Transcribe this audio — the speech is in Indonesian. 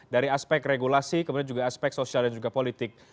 dari aspek regulasi kemudian juga aspek sosial dan juga politik